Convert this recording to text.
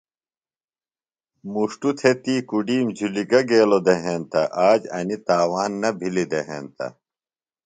مُݜٹوۡ تھےۡ تی کۡڈِیم جُھلیۡ گہ گیلوۡ دےۡ ہینتہ آج انیۡ تاوان نہ بِھلیۡ دےۡ ہینتہ۔